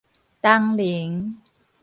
東寧